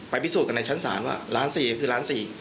ไปพิสูจน์กันในชั้นสารว่า๑๔ล้านคือ๑๔ล้าน